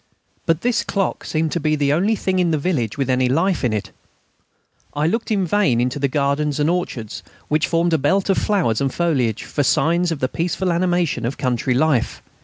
But this clock seemed to be the only thing in the village with any life in it. I looked in vain into the gardens and orchards, which formed a belt of flowers and foliage, for signs of the peaceful animation of country life.